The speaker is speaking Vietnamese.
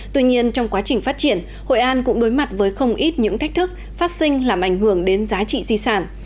tuy nhiên trong quá trình phát triển hội an cũng đối mặt với không ít những thách thức phát sinh làm ảnh hưởng đến giá trị di sản